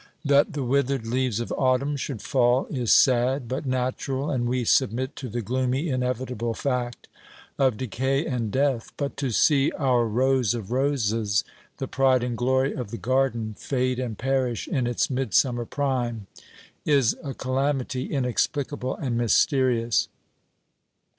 That the withered leaves of autumn should fall is sad, but natural, and we submit to the gloomy inevitable fact of decay and death. But to see our rose of roses, the pride and glory of the garden, fade and perish in its midsummer prime, is a calamity inexplicable and mysterious.